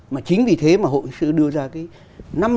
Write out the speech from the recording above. mà chính vì thế mà hội sư đưa ra cái